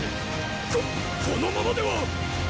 ここのままではっ！